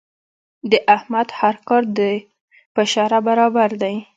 د احمد هر کار د په شرعه برابر دی.